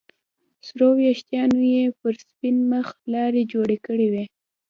سرو ويښتانو يې پر سپين مخ لارې جوړې کړې وې.